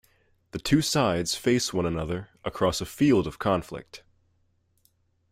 The two sides face one another across a field of conflict.